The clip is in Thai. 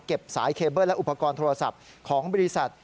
สายเคเบิ้ลและอุปกรณ์โทรศัพท์ของบริษัท